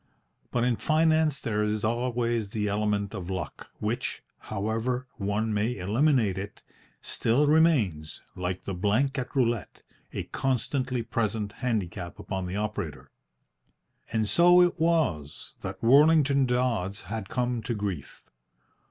But in finance there is always the element of luck, which, however one may eliminate it, still remains, like the blank at roulette, a constantly present handicap upon the operator. And so it was that Worlington Dodds had come to grief.